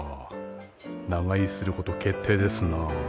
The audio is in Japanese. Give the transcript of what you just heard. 長居すること決定ですなあ。